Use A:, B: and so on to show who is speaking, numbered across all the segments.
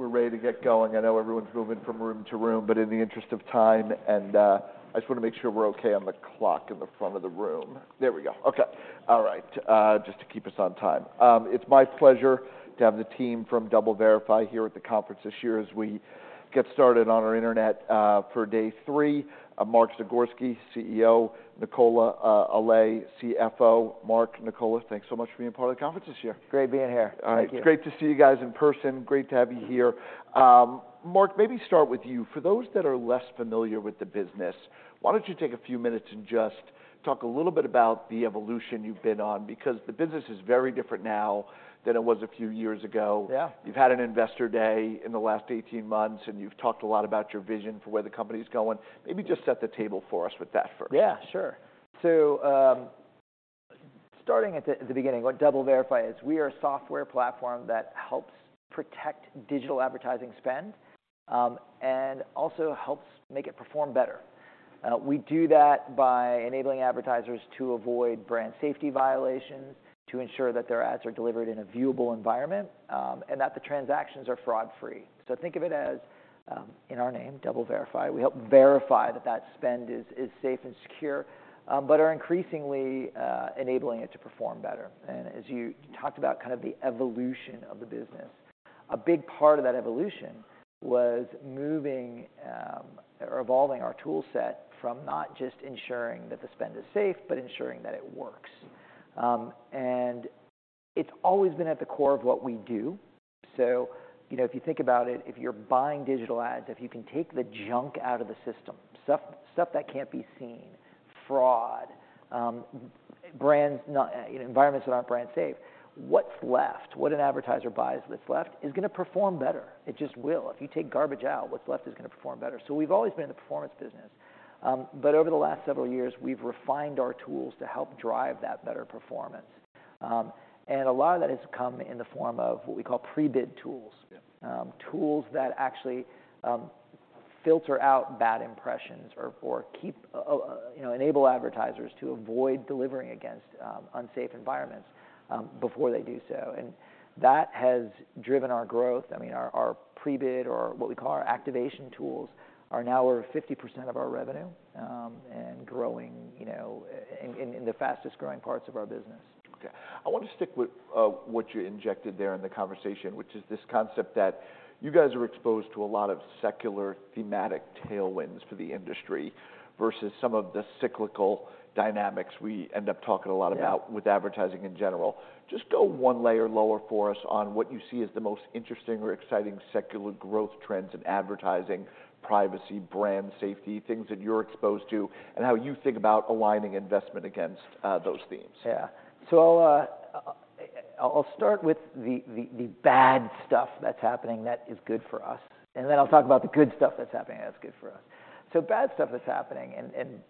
A: We're ready to get going. I know everyone's moving from room to room, but in the interest of time, and I just wanna make sure we're okay on the clock in the front of the room. There we go. Okay. All right, just to keep us on time. It's my pleasure to have the team from DoubleVerify here at the conference this year as we get started on our internet for day three. Mark Zagorski, CEO, Nicola Allais, CFO. Mark, Nicola, thanks so much for being a part of the conference this year.
B: Great being here.
C: Thank you.
A: All right. It's great to see you guys in person. Great to have you here. Mark, maybe start with you. For those that are less familiar with the business, why don't you take a few minutes and just talk a little bit about the evolution you've been on? Because the business is very different now than it was a few years ago.
B: Yeah.
A: You've had an investor day in the last 18 months, and you've talked a lot about your vision for where the company's going. Maybe just set the table for us with that first.
B: Yeah, sure. So, starting at the beginning, what DoubleVerify is, we are a software platform that helps protect digital advertising spend, and also helps make it perform better. We do that by enabling advertisers to avoid brand safety violations, to ensure that their ads are delivered in a viewable environment, and that the transactions are fraud-free. So think of it as, in our name, DoubleVerify. We help verify that that spend is safe and secure, but are increasingly enabling it to perform better. And as you talked about kind of the evolution of the business, a big part of that evolution was moving or evolving our tool set from not just ensuring that the spend is safe, but ensuring that it works. And it's always been at the core of what we do. So, you know, if you think about it, if you're buying digital ads, if you can take the junk out of the system, stuff, stuff that can't be seen, fraud, brands not, you know, environments that aren't brand safe, what's left? What an advertiser buys that's left is gonna perform better. It just will. If you take garbage out, what's left is gonna perform better. So we've always been in the performance business, but over the last several years, we've refined our tools to help drive that better performance. And a lot of that has come in the form of what we call Pre-Bid Tools.
A: Yeah.
B: Tools that actually, you know, filter out bad impressions or, or keep, you know, enable advertisers to avoid delivering against, you know, unsafe environments before they do so. That has driven our growth. I mean, our, our pre-bid, or what we call our activation tools, are now over 50% of our revenue, you know, and growing, you know, in the fastest growing parts of our business.
A: Okay. I want to stick with what you injected there in the conversation, which is this concept that you guys are exposed to a lot of secular thematic tailwinds for the industry versus some of the cyclical dynamics we end up talking a lot about-
B: Yeah
A: With advertising in general. Just go one layer lower for us on what you see as the most interesting or exciting secular growth trends in advertising, privacy, brand safety, things that you're exposed to, and how you think about aligning investment against those themes.
B: Yeah. So, I'll start with the bad stuff that's happening that is good for us, and then I'll talk about the good stuff that's happening that's good for us. So bad stuff that's happening,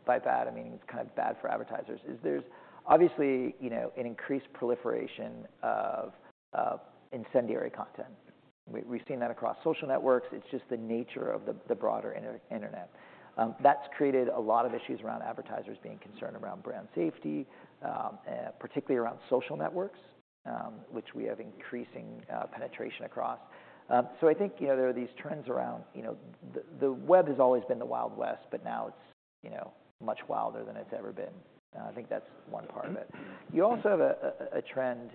B: by bad, I mean it's kind of bad for advertisers, is there's obviously, you know, an increased proliferation of incendiary content. We've seen that across social networks. It's just the nature of the broader internet. That's created a lot of issues around advertisers being concerned around brand safety, particularly around social networks, which we have increasing penetration across. So I think, you know, there are these trends around... You know, the web has always been the Wild West, but now it's, you know, much wilder than it's ever been. I think that's one part of it.
A: Mm-hmm.
B: You also have a trend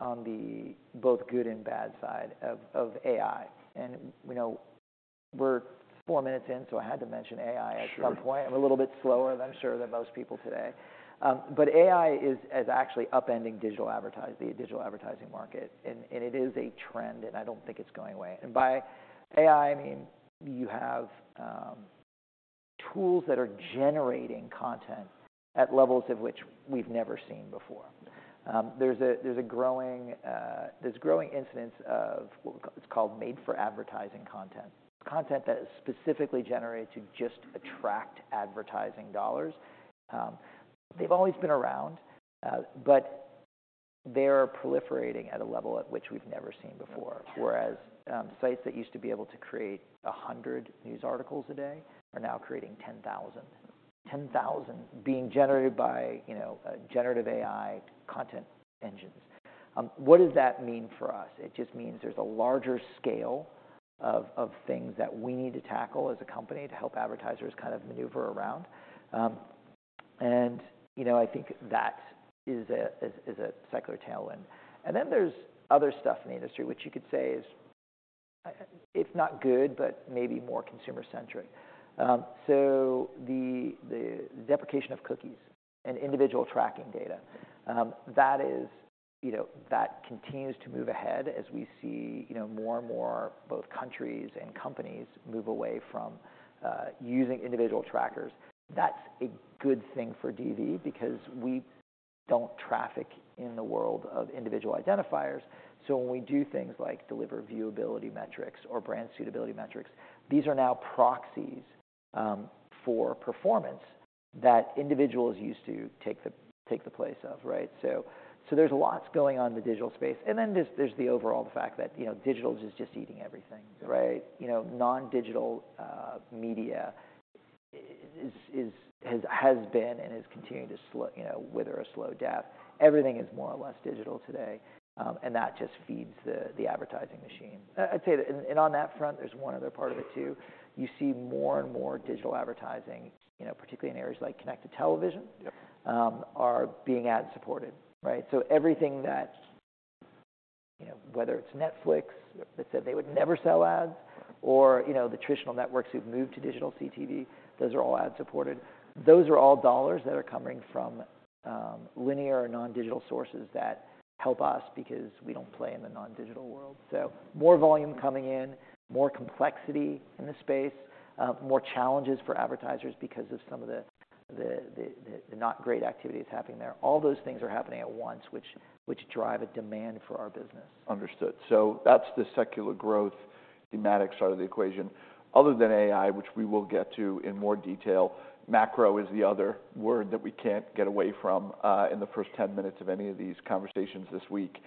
B: on both the good and bad side of AI, and we know we're four minutes in, so I had to mention AI at some point.
A: Sure.
B: I'm a little bit slower than, I'm sure, than most people today. But AI is actually upending the digital advertising market, and it is a trend, and I don't think it's going away. And by AI, I mean, you have tools that are generating content at levels of which we've never seen before. There's growing incidence of what's called Made-for-Advertising content. Content that is specifically generated to just attract advertising dollars. They've always been around, but they're proliferating at a level at which we've never seen before.
A: Okay.
B: Whereas, sites that used to be able to create 100 news articles a day are now creating 10,000. 10,000 being generated by, you know, generative AI content engines. What does that mean for us? It just means there's a larger scale of things that we need to tackle as a company to help advertisers kind of maneuver around. And, you know, I think that is a secular tailwind. And then there's other stuff in the industry which you could say is, it's not good, but maybe more consumer-centric. So the deprecation of cookies and individual tracking data, that is, you know, that continues to move ahead as we see, you know, more and more both countries and companies move away from using individual trackers. That's a good thing for DV, because we don't traffic in the world of individual identifiers. So when we do things like deliver Viewability Metrics or brand suitability metrics, these are now proxies for performance that individuals used to take the place of, right? So there's lots going on in the digital space. And then there's the overall fact that, you know, digital is just eating everything, right? You know, non-digital media has been and is continuing to slow, you know, wither a slow death. Everything is more or less digital today, and that just feeds the advertising machine. I'd say that, and on that front, there's one other part of it, too. You see more and more digital advertising, you know, particularly in areas like connected television-
A: Yep.
B: are being ad-supported, right? So everything that, you know, whether it's Netflix, that said they would never sell ads, or, you know, the traditional networks who've moved to digital CTV, those are all ad-supported. Those are all dollars that are coming from linear or non-digital sources that help us because we don't play in the non-digital world. So more volume coming in, more complexity in the space, more challenges for advertisers because of some of the not great activities happening there. All those things are happening at once, which drive a demand for our business.
A: Understood. So that's the secular growth thematic side of the equation. Other than AI, which we will get to in more detail, macro is the other word that we can't get away from in the first 10 minutes of any of these conversations this week.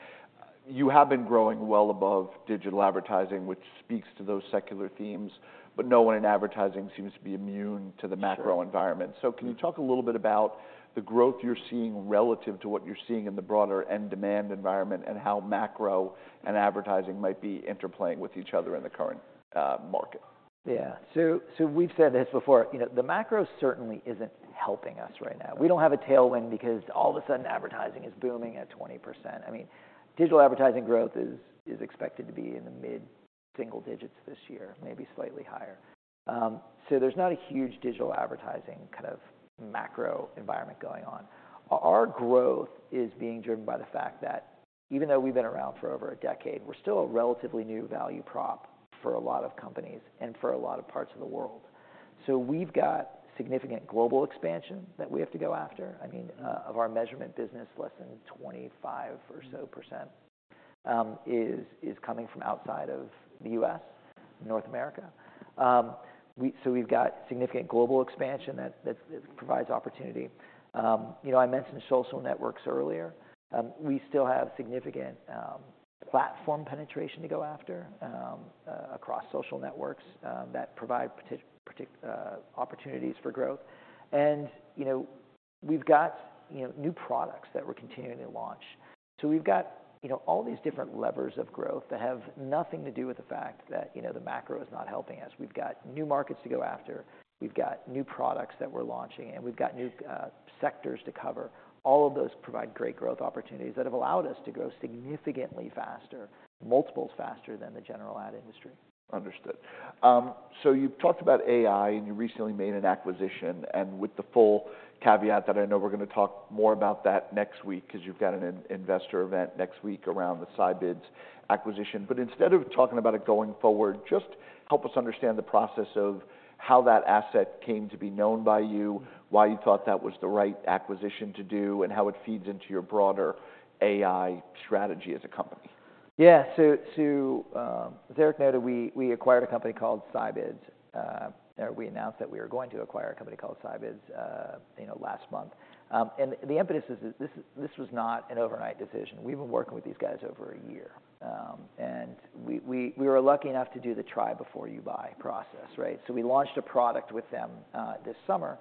A: You have been growing well above digital advertising, which speaks to those secular themes, but no one in advertising seems to be immune to the-
B: Sure.
A: Macro environment. So can you talk a little bit about the growth you're seeing relative to what you're seeing in the broader end demand environment, and how macro and advertising might be interplaying with each other in the current market?
B: Yeah. So we've said this before, you know, the macro certainly isn't helping us right now. We don't have a tailwind because all of a sudden, advertising is booming at 20%. I mean, digital advertising growth is expected to be in the mid-single digits this year, maybe slightly higher. So there's not a huge digital advertising kind of macro environment going on. Our growth is being driven by the fact that even though we've been around for over a decade, we're still a relatively new value prop for a lot of companies and for a lot of parts of the world. So we've got significant global expansion that we have to go after. I mean, of our measurement business, less than 25% or so is coming from outside of the U.S., North America. So we've got significant global expansion that provides opportunity. You know, I mentioned social networks earlier. We still have significant platform penetration to go after across social networks that provide opportunities for growth. And, you know, we've got, you know, new products that we're continuing to launch. So we've got, you know, all these different levers of growth that have nothing to do with the fact that, you know, the macro is not helping us. We've got new markets to go after, we've got new products that we're launching, and we've got new sectors to cover. All of those provide great growth opportunities that have allowed us to grow significantly faster, multiples faster, than the general ad industry.
A: Understood. So you've talked about AI, and you recently made an acquisition, and with the full caveat that I know we're gonna talk more about that next week, 'cause you've got an investor event next week around the Scibids acquisition. But instead of talking about it going forward, just help us understand the process of how that asset came to be known by you, why you thought that was the right acquisition to do, and how it feeds into your broader AI strategy as a company.
B: Yeah. So, as Eric noted, we acquired a company called Scibids. Or we announced that we were going to acquire a company called Scibids, you know, last month. And the impetus is this, this was not an overnight decision. We've been working with these guys over a year. And we were lucky enough to do the try before you buy process, right? So we launched a product with them this summer,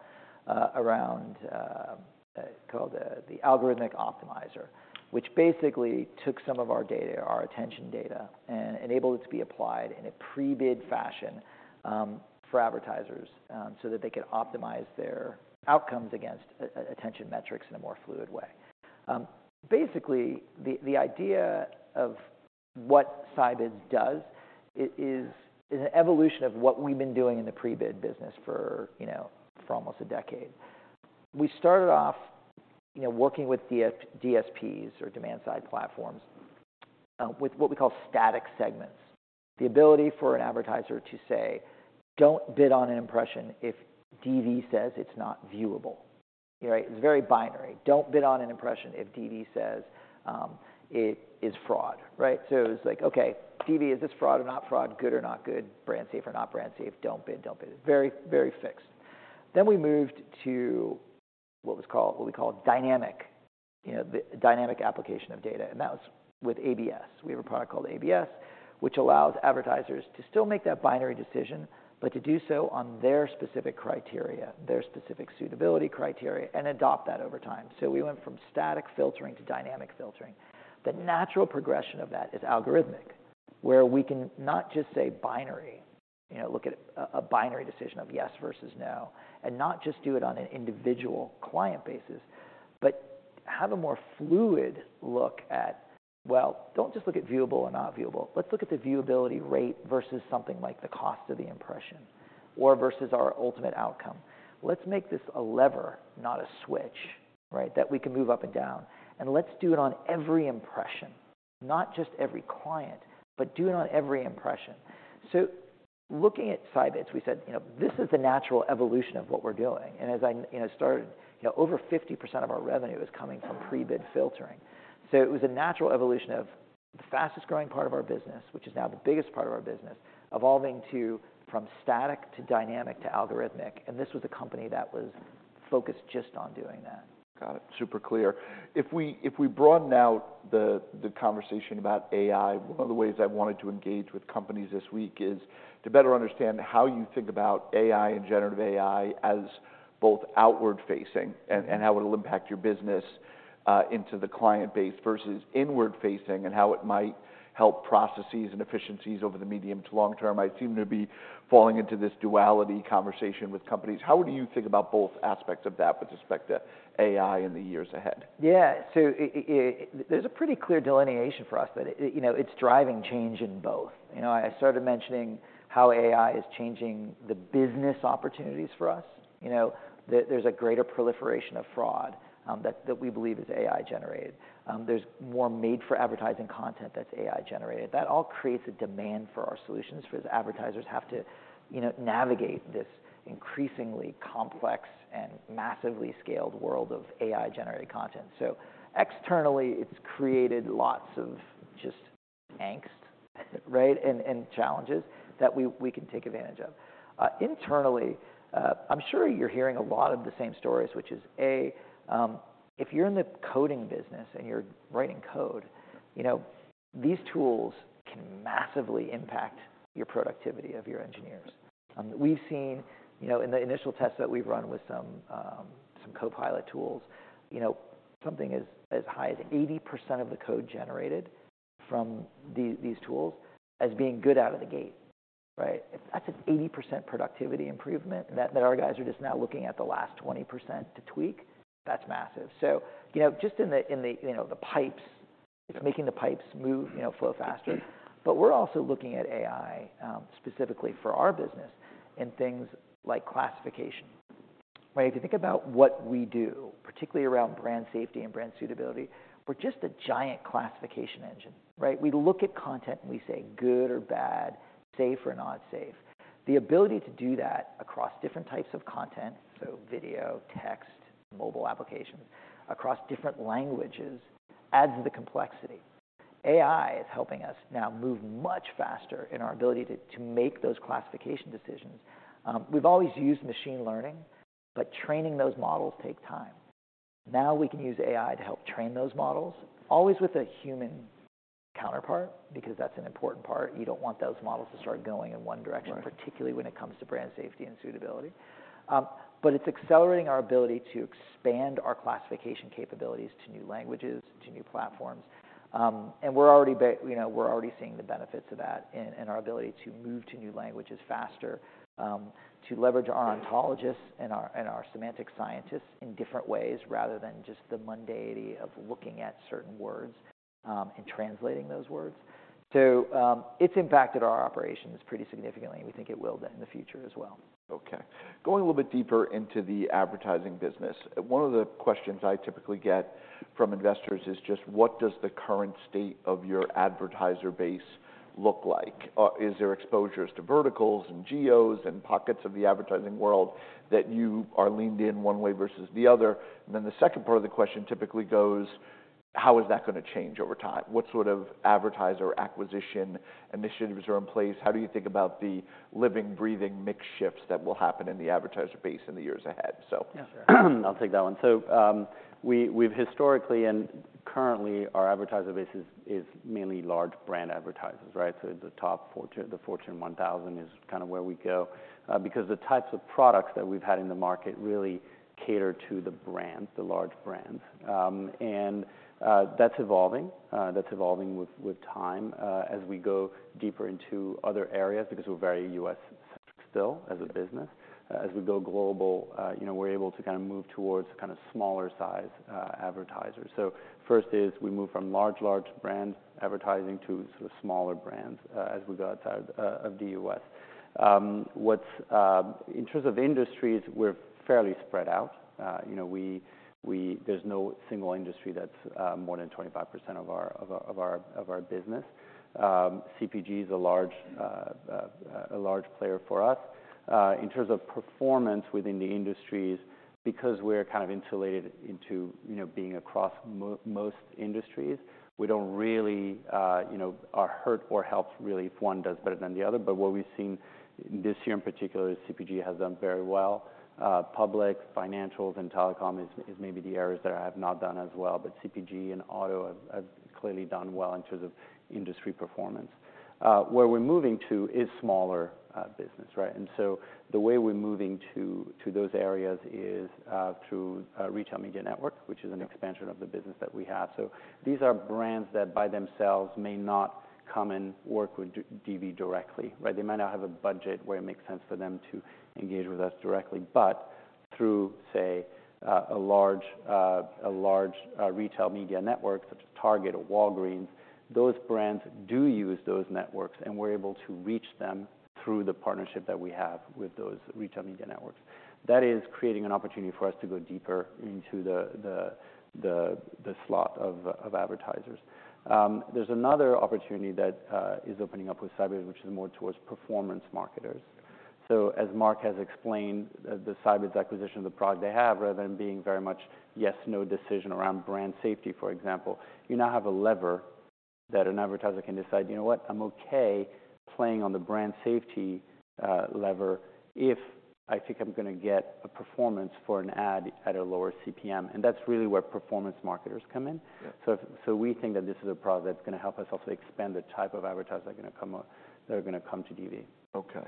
B: called the Algorithmic Optimizer, which basically took some of our data, our attention data, and enabled it to be applied in a pre-bid fashion for advertisers, so that they could optimize their outcomes against attention metrics in a more fluid way. Basically, the idea of what Scibids does is an evolution of what we've been doing in the pre-bid business for, you know, for almost a decade. We started off, you know, working with DSPs, or demand side platforms, with what we call static segments. The ability for an advertiser to say, "Don't bid on an impression if DV says it's not viewable." Right? It's very binary. "Don't bid on an impression if DV says it is fraud." Right? So it's like, "Okay, DV, is this fraud or not fraud? Good or not good? Brand safe or not brand safe? Don't bid, don't bid." Very, very fixed. Then we moved to what we call dynamic, you know, the dynamic application of data, and that was with ABS. We have a product called ABS, which allows advertisers to still make that binary decision, but to do so on their specific criteria, their specific suitability criteria, and adopt that over time. So we went from static filtering to dynamic filtering. The natural progression of that is algorithmic, where we can not just say binary, you know, look at a binary decision of yes versus no, and not just do it on an individual client basis, but have a more fluid look at... Well, don't just look at viewable or not viewable. Let's look at the viewability rate versus something like the cost of the impression, or versus our ultimate outcome. Let's make this a lever, not a switch, right? That we can move up and down, and let's do it on every impression. Not just every client, but do it on every impression. So looking at Scibids, we said, "You know, this is the natural evolution of what we're doing." And as I, you know, You know, over 50% of our revenue is coming from pre-bid filtering. So it was a natural evolution of the fastest growing part of our business, which is now the biggest part of our business, evolving to from static to dynamic to algorithmic, and this was a company that was focused just on doing that.
A: Got it. Super clear. If we broaden out the conversation about AI, one of the ways I wanted to engage with companies this week is to better understand how you think about AI and generative AI as both outward-facing and how it'll impact your business into the client base, versus inward-facing, and how it might help processes and efficiencies over the medium to long term. I seem to be falling into this duality conversation with companies. How do you think about both aspects of that with respect to AI in the years ahead?
B: Yeah. So, there's a pretty clear delineation for us that, you know, it's driving change in both. You know, I started mentioning how AI is changing the business opportunities for us. You know, there's a greater proliferation of fraud that we believe is AI-generated. There's more made-for-advertising content that's AI-generated. That all creates a demand for our solutions, for the advertisers have to, you know, navigate this increasingly complex and massively scaled world of AI-generated content. So externally, it's created lots of just angst, right? And challenges that we can take advantage of. Internally, I'm sure you're hearing a lot of the same stories, which is, A, if you're in the coding business and you're writing code, you know, these tools can massively impact your productivity of your engineers. We've seen, you know, in the initial tests that we've run with some Copilot tools, you know, something as high as 80% of the code generated from these tools as being good out of the gate, right? If that's an 80% productivity improvement, that our guys are just now looking at the last 20% to tweak, that's massive. So, you know, just in the, you know, the pipes-
A: Yeah.
B: Making the pipes move, you know, flow faster. But we're also looking at AI specifically for our business in things like classification. When you think about what we do, particularly around brand safety and brand suitability, we're just a giant classification engine, right? We look at content, and we say, "Good or bad, safe or not safe." The ability to do that across different types of content, so video, text, mobile applications, across different languages, adds to the complexity. AI is helping us now move much faster in our ability to make those classification decisions. We've always used machine learning, but training those models take time. Now, we can use AI to help train those models, always with a human counterpart, because that's an important part. You don't want those models to start going in one direction.
A: Right
B: Particularly when it comes to brand safety and suitability. But it's accelerating our ability to expand our classification capabilities to new languages, to new platforms. And we're already you know, we're already seeing the benefits of that in, in our ability to move to new languages faster, to leverage our ontologists and our, and our semantic scientists in different ways, rather than just the mundanity of looking at certain words, and translating those words. So, it's impacted our operations pretty significantly, and we think it will in the future as well.
A: Okay. Going a little bit deeper into the advertising business, one of the questions I typically get from investors is just: What does the current state of your advertiser base look like? Is there exposures to verticals, and geos, and pockets of the advertising world that you are leaned in one way versus the other? And then the second part of the question typically goes: How is that gonna change over time? What sort of advertiser acquisition initiatives are in place? How do you think about the living, breathing mix shifts that will happen in the advertiser base in the years ahead? So-
C: Yeah, sure. I'll take that one. We, we've historically, and currently, our advertiser base is, is mainly large brand advertisers, right? The top Fortune, the Fortune 1000 is kind of where we go, because the types of products that we've had in the market really cater to the brands, the large brands. That's evolving, that's evolving with time, as we go deeper into other areas, because we're very US-centric still as a business. As we go global, you know, we're able to kind of move towards kind of smaller size, advertisers. First is we move from large, large brand advertising to sort of smaller brands, as we go outside, of the US. What's, in terms of industries, we're fairly spread out. You know, there's no single industry that's more than 25% of our business. CPG is a large player for us. In terms of performance within the industries, because we're kind of insulated into, you know, being across most industries, we don't really, you know, are hurt or helped, really, if one does better than the other. But what we've seen this year in particular is CPG has done very well. Public, financials, and telecom is maybe the areas that have not done as well, but CPG and auto have clearly done well in terms of industry performance. Where we're moving to is smaller business, right? And so the way we're moving to those areas is through our Retail Media Network, which is an expansion of the business that we have. So these are brands that, by themselves, may not come and work with DV directly, right? They might not have a budget where it makes sense for them to engage with us directly. But through, say, a large Retail Media Network, such as Target or Walgreens, those brands do use those networks, and we're able to reach them through the partnership that we have with those Retail Media Networks. That is creating an opportunity for us to go deeper into the slot of advertisers. There's another opportunity that is opening up with Scibids, which is more towards performance marketers. So as Mark has explained, the Scibids acquisition, the product they have, rather than being very much yes, no decision around brand safety, for example, you now have a lever that an advertiser can decide, "You know what? I'm okay playing on the brand safety lever if I think I'm gonna get a performance for an ad at a lower CPM." And that's really where performance marketers come in.
A: Yeah.
C: So we think that this is a product that's gonna help us also expand the type of advertisers that are gonna come to DV.
A: Okay.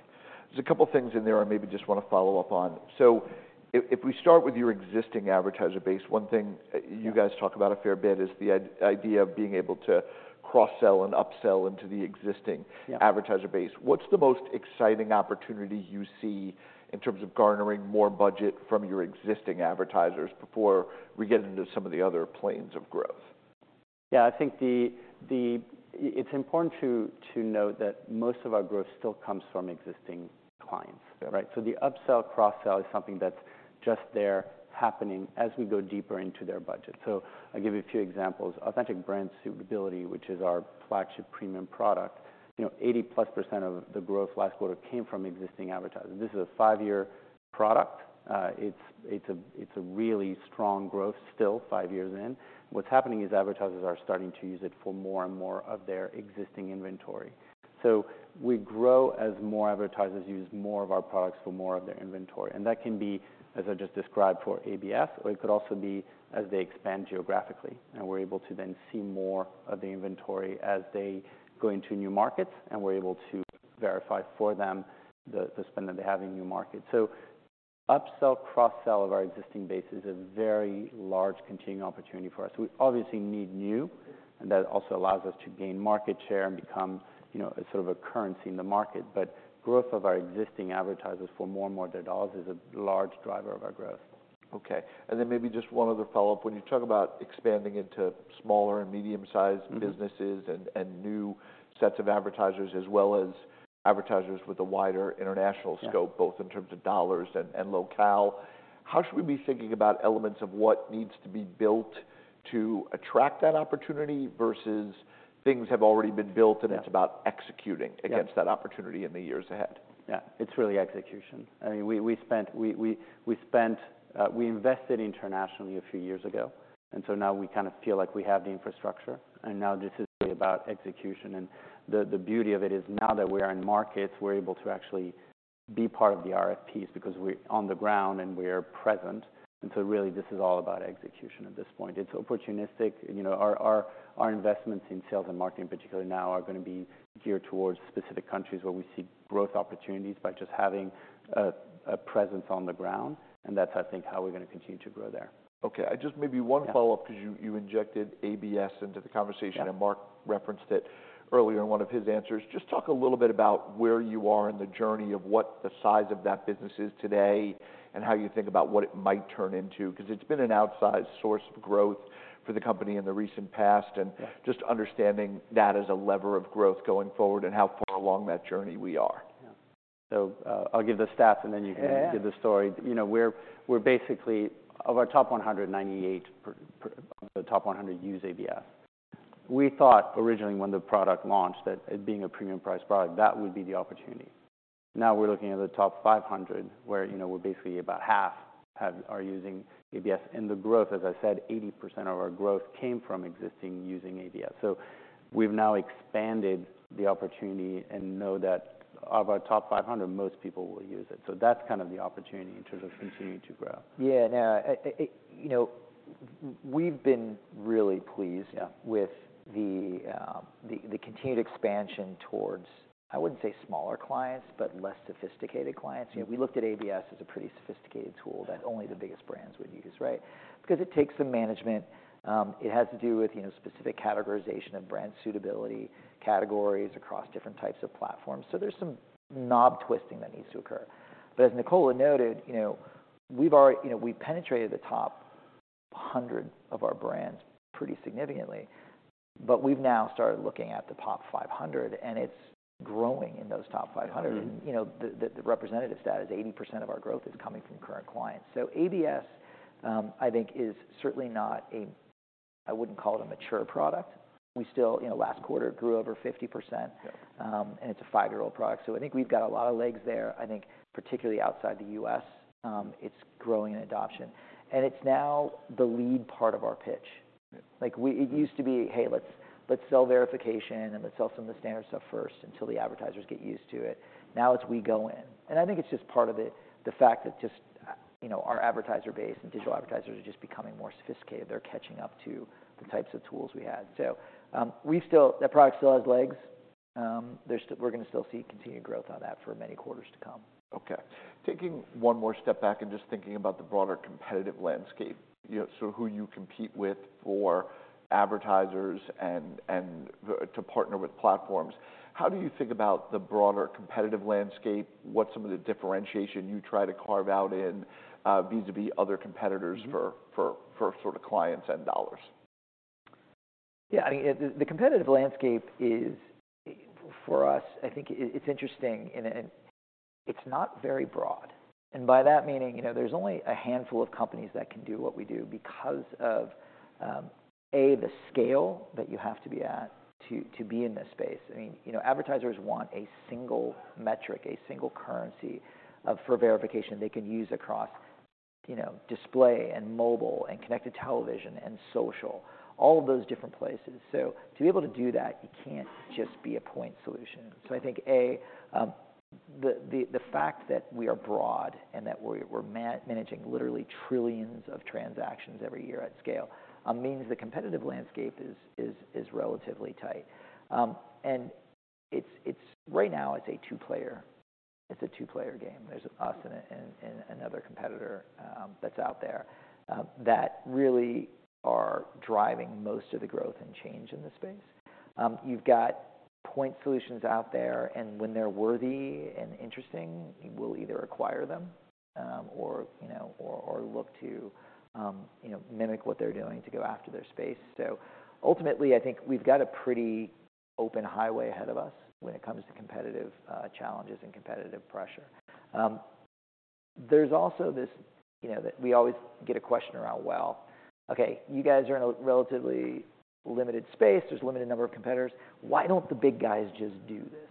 A: There's a couple things in there I maybe just wanna follow up on. So if, if we start with your existing advertiser base, one thing-
C: Yeah
A: You guys talk about a fair bit is the idea of being able to cross-sell and upsell into the existing-
C: Yeah
A: -advertiser base. What's the most exciting opportunity you see in terms of garnering more budget from your existing advertisers, before we get into some of the other planes of growth?
C: Yeah, I think it's important to note that most of our growth still comes from existing clients.
A: Yeah.
C: Right? So the upsell, cross-sell is something that's just there happening as we go deeper into their budget. So I'll give you a few examples. Authentic Brand Suitability, which is our flagship premium product, you know, 80%+ of the growth last quarter came from existing advertisers. This is a five-year product. It's a really strong growth still, five years in. What's happening is advertisers are starting to use it for more and more of their existing inventory. So we grow as more advertisers use more of our products for more of their inventory, and that can be, as I just described, for ABS, or it could also be as they expand geographically, and we're able to then see more of the inventory as they go into new markets, and we're able to verify for them the spend that they have in new markets. So upsell, cross-sell of our existing base is a very large continuing opportunity for us. We obviously need new, and that also allows us to gain market share and become, you know, a sort of a currency in the market. But growth of our existing advertisers for more and more of their dollars is a large driver of our growth.
A: Okay. And then maybe just one other follow-up. When you talk about expanding into smaller and medium-sized-
C: Mm-hmm
A: businesses and new sets of advertisers, as well as advertisers with a wider international scope.
C: Yeah
A: both in terms of dollars and locale, how should we be thinking about elements of what needs to be built to attract that opportunity, versus things have already been built?
C: Yeah
A: and it's about executing.
C: Yeah
A: against that opportunity in the years ahead?
C: Yeah. It's really execution. I mean, we invested internationally a few years ago, and so now we kind of feel like we have the infrastructure, and now this is about execution. And the beauty of it is, now that we are in markets, we're able to actually be part of the RFPs because we're on the ground and we are present, and so really, this is all about execution at this point. It's opportunistic. You know, our investments in sales and marketing particularly now are gonna be geared towards specific countries where we see growth opportunities by just having a presence on the ground, and that's, I think, how we're gonna continue to grow there.
A: Okay. Just maybe one follow-up-
C: Yeah
A: -because you injected ABS into the conversation-
C: Yeah
A: And Mark referenced it earlier in one of his answers. Just talk a little bit about where you are in the journey of what the size of that business is today, and how you think about what it might turn into. Because it's been an outsized source of growth for the company in the recent past, and
C: Yeah
A: Just understanding that as a lever of growth going forward, and how far along that journey we are.
C: Yeah. So, I'll give the stats and then you can-
A: Yeah
C: Give the story. You know, we're basically... Of our top 100, 98% of the top 100 use ABS. We thought originally when the product launched, that it being a premium price product, that would be the opportunity. Now, we're looking at the top 500, where, you know, basically about half are using ABS. And the growth, as I said, 80% of our growth came from existing using ABS. So we've now expanded the opportunity and know that of our top 500, most people will use it. So that's kind of the opportunity in terms of continuing to grow.
B: Yeah. Now, you know, we've been really pleased-
C: Yeah
B: with the continued expansion towards, I wouldn't say smaller clients, but less sophisticated clients.
C: Yeah.
B: You know, we looked at ABS as a pretty sophisticated tool that only the biggest brands would use, right? Because it takes some management. It has to do with, you know, specific categorization of brand suitability, categories across different types of platforms. So there's some knob twisting that needs to occur. But as Nicola noted, you know, we've penetrated the top 100 of our brands pretty significantly, but we've now started looking at the top 500, and it's growing in those top 500.
C: Mm-hmm.
B: You know, the representative stat is 80% of our growth is coming from current clients. So ABS, I think is certainly not a... I wouldn't call it a mature product. We still, you know, last quarter, grew over 50%.
C: Yeah.
B: And it's a five-year-old product, so I think we've got a lot of legs there. I think, particularly outside the U.S., it's growing in adoption, and it's now the lead part of our pitch.
C: Yeah.
B: It used to be, "Hey, let's sell verification, and let's sell some of the standard stuff first until the advertisers get used to it." Now, it's we go in. I think it's just part of it, the fact that just you know, our advertiser base and digital advertisers are just becoming more sophisticated. They're catching up to the types of tools we had. So, we still—that product still has legs. There's still—we're gonna still see continued growth on that for many quarters to come.
A: Okay. Taking one more step back and just thinking about the broader competitive landscape, you know, so who you compete with for advertisers and to partner with platforms, how do you think about the broader competitive landscape? What's some of the differentiation you try to carve out in vis-à-vis other competitors?
C: Mm-hmm
A: for sort of clients and dollars?
B: Yeah, I mean, the competitive landscape is, for us, I think it's interesting and it's not very broad. And by that, meaning, you know, there's only a handful of companies that can do what we do because of A, the scale that you have to be at to be in this space. I mean, you know, advertisers want a single metric, a single currency for verification they can use across you know, display and mobile, and connected television and social, all of those different places. So to be able to do that, you can't just be a point solution. So I think A, the fact that we are broad and that we're managing literally trillions of transactions every year at scale means the competitive landscape is relatively tight. And it's right now a two-player game. There's us and another competitor that's out there that really are driving most of the growth and change in the space. You've got point solutions out there, and when they're worthy and interesting, we'll either acquire them, or you know, look to you know mimic what they're doing to go after their space. So ultimately, I think we've got a pretty open highway ahead of us when it comes to competitive challenges and competitive pressure. There's also this, you know, that we always get a question around, "Well, okay, you guys are in a relatively limited space. There's a limited number of competitors. Why don't the big guys just do this?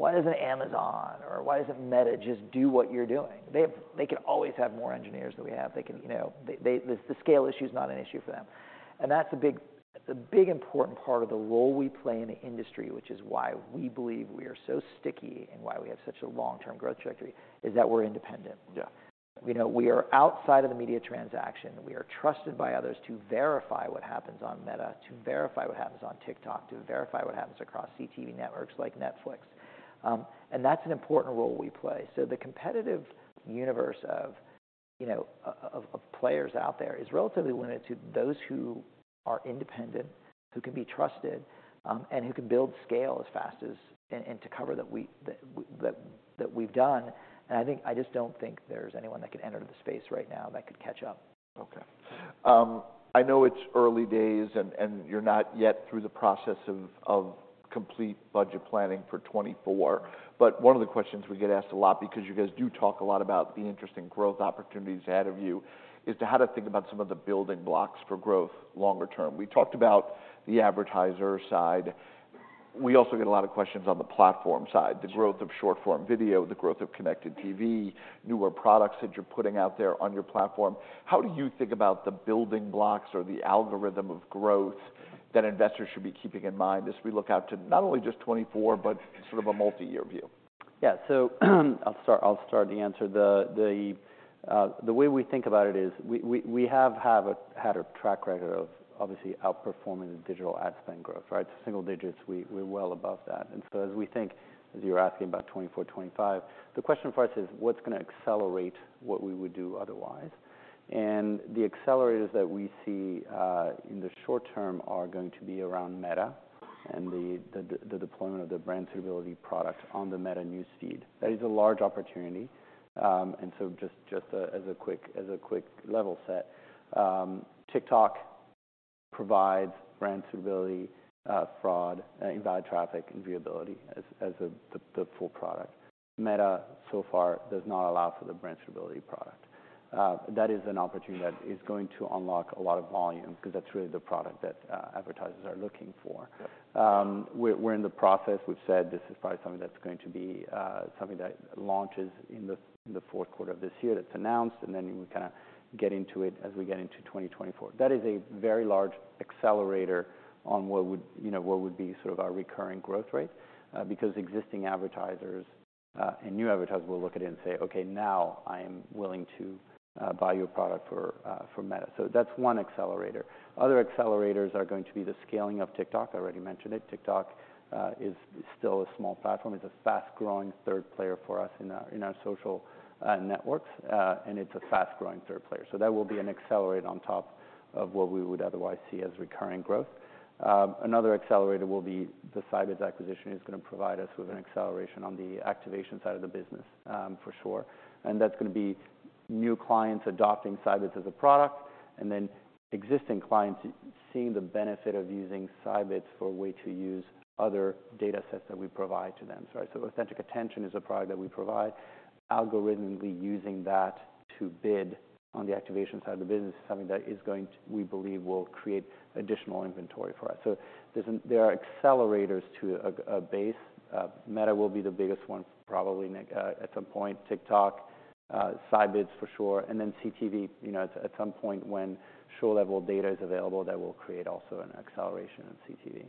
B: Why doesn't Amazon or why doesn't Meta just do what you're doing?" They have - they can always have more engineers than we have. They can, you know. The scale issue is not an issue for them. And that's the big important part of the role we play in the industry, which is why we believe we are so sticky and why we have such a long-term growth trajectory, is that we're independent.
A: Yeah.
B: You know, we are outside of the media transaction. We are trusted by others to verify what happens on Meta, to verify what happens on TikTok, to verify what happens across CTV networks like Netflix. And that's an important role we play. So the competitive universe of, you know, of players out there is relatively limited to those who are independent, who can be trusted, and who can build scale as fast as and to cover that we've done. And I think I just don't think there's anyone that can enter the space right now that could catch up.
A: Okay. I know it's early days, and you're not yet through the process of complete budget planning for 2024, but one of the questions we get asked a lot, because you guys do talk a lot about the interesting growth opportunities ahead of you, is to how to think about some of the building blocks for growth longer term. We talked about the advertiser side. We also get a lot of questions on the platform side-
B: Sure...
A: the growth of short-form video, the growth of Connected TV, newer products that you're putting out there on your platform. How do you think about the building blocks or the algorithm of growth that investors should be keeping in mind as we look out to not only just 2024, but sort of a multi-year view?
C: Yeah. So, I'll start the answer. The way we think about it is we have had a track record of obviously outperforming the digital ad spend growth, right? Single digits, we're well above that. And so as we think, as you're asking about 2024, 2025, the question for us is: What's gonna accelerate what we would do otherwise? And the accelerators that we see in the short term are going to be around Meta and the deployment of the brand suitability product on the Meta newsfeed. That is a large opportunity. And so just as a quick level set, TikTok provides brand suitability, fraud, and invalid traffic and viewability as the full product. Meta, so far, does not allow for the brand suitability product. That is an opportunity that is going to unlock a lot of volume, because that's really the product that advertisers are looking for.
A: Yep.
C: We're in the process. We've said this is probably something that's going to be something that launches in the Q4 of this year. That's announced, and then we kind of get into it as we get into 2024. That is a very large accelerator on what would, you know, what would be sort of our recurring growth rate, because existing advertisers and new advertisers will look at it and say, "Okay, now I am willing to buy your product for for Meta." So that's one accelerator. Other accelerators are going to be the scaling of TikTok. I already mentioned it. TikTok is still a small platform. It's a fast-growing third player for us in our social networks, and it's a fast-growing third player. So that will be an accelerator on top of what we would otherwise see as recurring growth. Another accelerator will be the Scibids acquisition is gonna provide us with an acceleration on the activation side of the business, for sure. And that's gonna be new clients adopting Scibids as a product, and then existing clients seeing the benefit of using Scibids for a way to use other data sets that we provide to them. So Authentic Attention is a product that we provide. Algorithmically using that to bid on the activation side of the business is something that we believe will create additional inventory for us. So there are accelerators to a base. Meta will be the biggest one, probably, at some point. TikTok, Scibids for sure, and then CTV. You know, at some point when show-level data is available, that will create also an acceleration in CTV.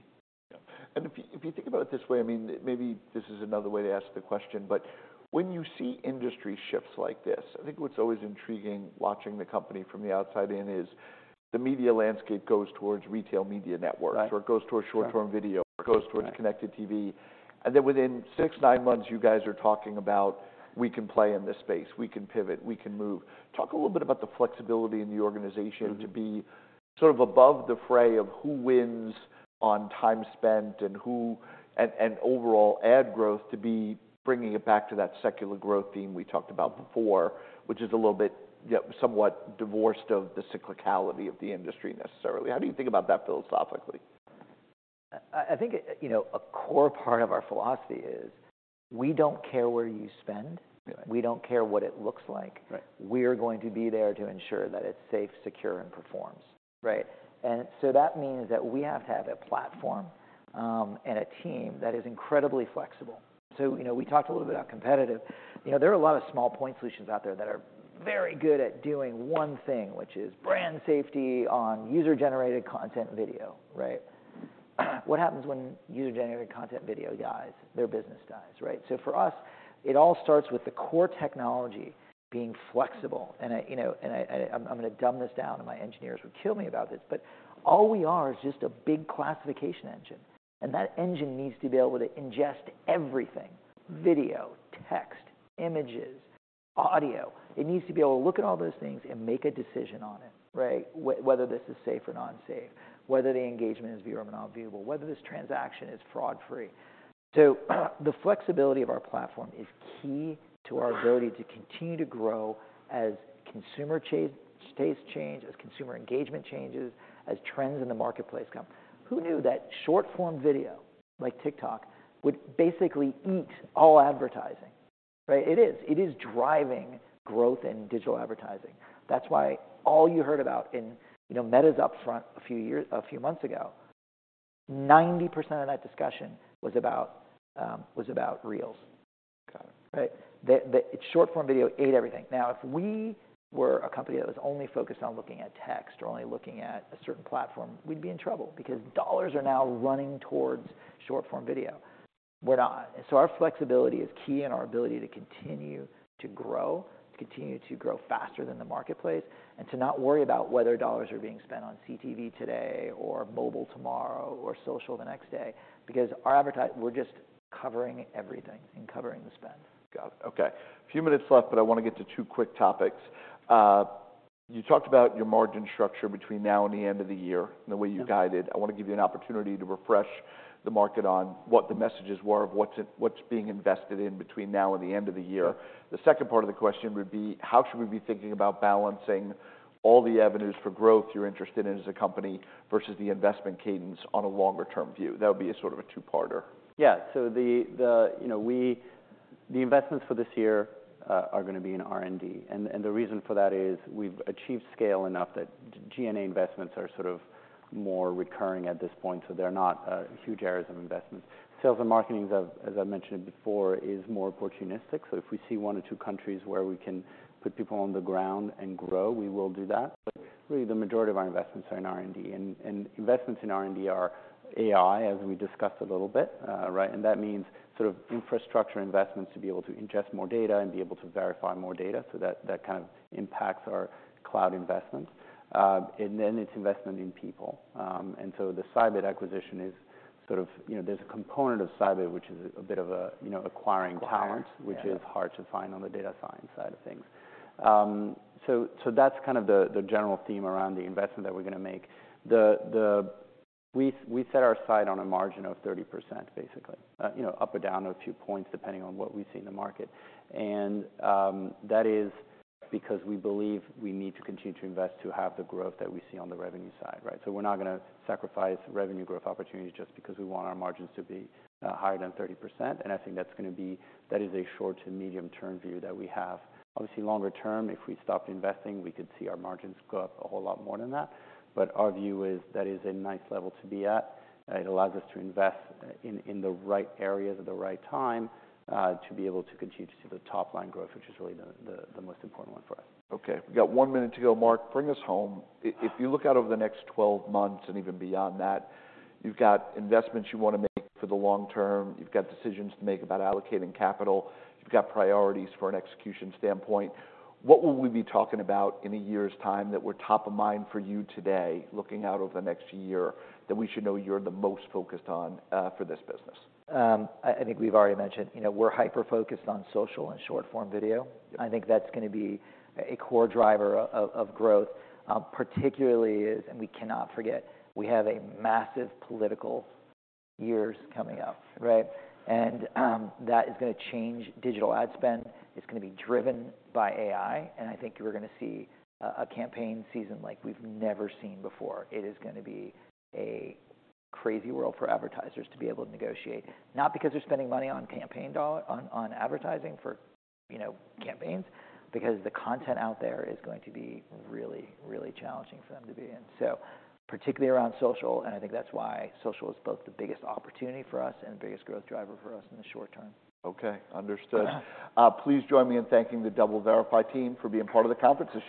A: Yeah. And if you think about it this way, I mean, maybe this is another way to ask the question, but when you see industry shifts like this, I think what's always intriguing, watching the company from the outside in, is the media landscape goes towards Retail Media Networks-
C: Right...
A: or it goes toward short-form video-
C: Right...
A: or it goes towards Connected TV. And then within 6-9 months, you guys are talking about, "We can play in this space. We can pivot, we can move." Talk a little bit about the flexibility in the organization-
C: Mm-hmm...
A: to be sort of above the fray of who wins on time spent and who... and, and overall ad growth, to be bringing it back to that secular growth theme we talked about before, which is a little bit, yeah, somewhat divorced of the cyclicality of the industry, necessarily. How do you think about that philosophically?...
B: I think, you know, a core part of our philosophy is we don't care where you spend.
A: Right.
B: We don't care what it looks like.
A: Right.
B: We're going to be there to ensure that it's safe, secure, and performs, right? And so that means that we have to have a platform and a team that is incredibly flexible. So, you know, we talked a little bit about competitive. You know, there are a lot of small point solutions out there that are very good at doing one thing, which is brand safety on user-generated content video, right? What happens when user-generated content video dies? Their business dies, right? So for us, it all starts with the core technology being flexible, and I, you know, I'm gonna dumb this down, and my engineers would kill me about this, but all we are is just a big classification engine, and that engine needs to be able to ingest everything: video, text, images, audio. It needs to be able to look at all those things and make a decision on it, right? Whether this is safe or non-safe, whether the engagement is viewable or non-viewable, whether this transaction is fraud-free. So, the flexibility of our platform is key to our ability to continue to grow as consumer tastes change, as consumer engagement changes, as trends in the marketplace come. Who knew that short-form video, like TikTok, would basically eat all advertising, right? It is. It is driving growth in digital advertising. That's why all you heard about in, you know, Meta's upfront a few years, a few months ago, 90% of that discussion was about, was about Reels.
A: Got it.
B: Right? The short-form video ate everything. Now, if we were a company that was only focused on looking at text or only looking at a certain platform, we'd be in trouble because dollars are now running towards short-form video. We're not. So our flexibility is key, and our ability to continue to grow, to continue to grow faster than the marketplace, and to not worry about whether dollars are being spent on CTV today or mobile tomorrow, or social the next day, because our advertising, we're just covering everything and covering the spend.
A: Got it. Okay. A few minutes left, but I wanna get to two quick topics. You talked about your margin structure between now and the end of the year, and the way you guided.
B: Yeah.
A: I wanna give you an opportunity to refresh the market on what the messages were of what's being invested in between now and the end of the year.
B: Sure.
A: The second part of the question would be: How should we be thinking about balancing all the avenues for growth you're interested in as a company, versus the investment cadence on a longer term view? That would be a sort of a two-parter.
C: Yeah. So you know, the investments for this year are gonna be in R&D, and the reason for that is we've achieved scale enough that G&A investments are sort of more recurring at this point, so they're not huge areas of investments. Sales and marketing, as I mentioned before, is more opportunistic. So if we see one or two countries where we can put people on the ground and grow, we will do that. But really, the majority of our investments are in R&D, and investments in R&D are AI, as we discussed a little bit, right? And that means sort of infrastructure investments to be able to ingest more data and be able to verify more data, so that kind of impacts our cloud investments. And then it's investment in people. And so the Scibids acquisition is sort of... You know, there's a component of Scibids, which is a bit of a, you know, acquiring talent-
A: Acquiring, yeah...
C: which is hard to find on the data science side of things. So that's kind of the general theme around the investment that we're gonna make. We set our sight on a margin of 30%, basically. You know, up or down a few points, depending on what we see in the market. And that is because we believe we need to continue to invest to have the growth that we see on the revenue side, right? So we're not gonna sacrifice revenue growth opportunities just because we want our margins to be higher than 30%, and I think that's gonna be... That is a short- to medium-term view that we have. Obviously, longer term, if we stopped investing, we could see our margins go up a whole lot more than that, but our view is that is a nice level to be at. It allows us to invest in the right areas at the right time, to be able to continue to see the top line growth, which is really the most important one for us.
A: Okay. We've got 1 minute to go. Mark, bring us home. If you look out over the next 12 months, and even beyond that, you've got investments you wanna make for the long term, you've got decisions to make about allocating capital, you've got priorities for an execution standpoint. What will we be talking about in a year's time that we're top of mind for you today, looking out over the next year, that we should know you're the most focused on, for this business?
B: I think we've already mentioned, you know, we're hyper-focused on social and short-form video.
A: Yeah.
B: I think that's gonna be a core driver of growth. Particularly, and we cannot forget, we have a massive political years coming up, right? And that is gonna change digital ad spend. It's gonna be driven by AI, and I think we're gonna see a campaign season like we've never seen before. It is gonna be a crazy world for advertisers to be able to negotiate, not because they're spending money on campaign dollars on advertising for, you know, campaigns, because the content out there is going to be really, really challenging for them to be in. So particularly around social, and I think that's why social is both the biggest opportunity for us and the biggest growth driver for us in the short term.
A: Okay, understood.
B: Yeah.
A: Please join me in thanking the DoubleVerify team for being part of the conference this year.